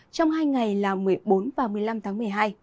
trong hai ngày là một mươi bốn và một mươi năm tháng một mươi hai